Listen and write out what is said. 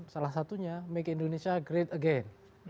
salah satunya make indonesia great again